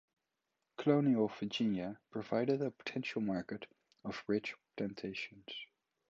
Colonial Virginia provided a potential market of rich plantations.